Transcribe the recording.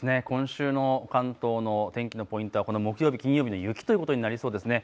今週の関東の天気のほう、いったん木曜日、金曜日、雪ということになりそうです。